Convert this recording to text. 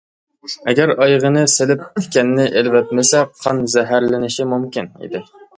ئەگەر ئايىغىنى سېلىپ تىكەننى ئېلىۋەتمىسە قان زەھەرلىنىشى مۇمكىن ئىدى.